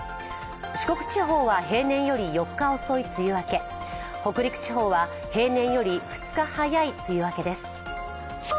四国地方は平年より４日遅い梅雨明け、北陸地方は平年より２日早い梅雨明けです。